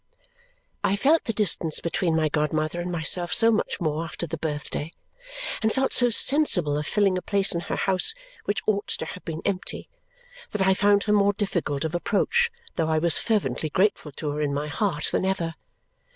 I felt the distance between my godmother and myself so much more after the birthday, and felt so sensible of filling a place in her house which ought to have been empty, that I found her more difficult of approach, though I was fervently grateful to her in my heart, than ever.